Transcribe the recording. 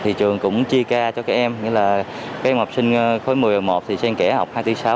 trường cũng chia ca cho các em nghĩa là các em học sinh khối một mươi một mươi một thì xem kẻ học hai bốn sáu ba năm bảy